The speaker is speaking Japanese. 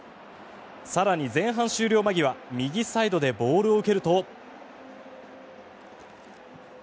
更に、前半終了間際右サイドでボールを受けると。